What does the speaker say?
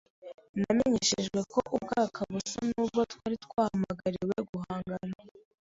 Namenyeshejwe ko ubwaka busa n’ubwo twari twahamagariwe guhangana